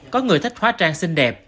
có người thích hóa trang xinh đẹp